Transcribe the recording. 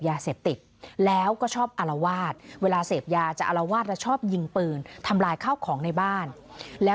ดูมีคนการตามว่าใครอย่าวาดแต่กรบตัวเขา